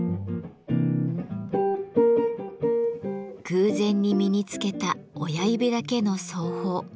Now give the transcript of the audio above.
偶然に身につけた親指だけの奏法。